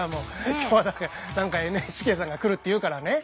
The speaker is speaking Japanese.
今日は何かＮＨＫさんが来るっていうからね。